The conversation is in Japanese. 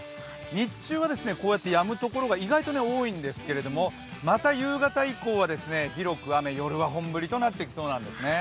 日中はやむところが意外と多いんですけどまた夕方以降は広く雨、夜は本降りとなってきそうなんですね。